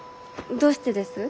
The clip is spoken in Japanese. どうしてです？